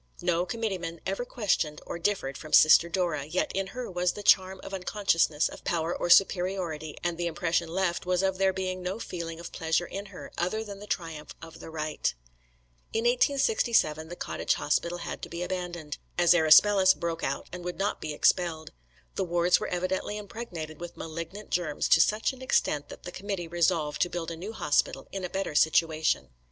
No committeemen ever questioned or differed from Sister Dora, yet in her was the charm of unconsciousness of power or superiority and the impression left was of there being no feeling of pleasure in her, other than the triumph of the right. In 1867 the cottage hospital had to be abandoned, as erysipelas broke out and would not be expelled. The wards were evidently impregnated with malignant germs to such an extent that the committee resolved to build a new hospital in a better situation.